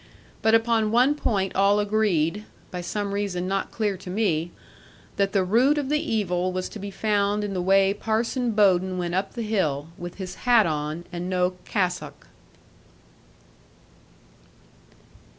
But upon one point all agreed, by some reason not clear to me, that the root of the evil was to be found in the way Parson Bowden went up the hill, with his hat on, and no cassock.